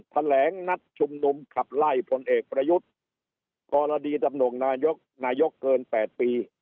แถลงนัดชุมนุมขับไล่พลเอกประยุทธ์กรณีดำหน่งนายกนายกเกิน๘ปี